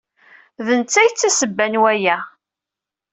D nettat ay d tasebba n waya.